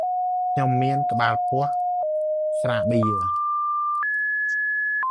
ខ្ញុំមានក្បាលពោះស្រាបៀរ។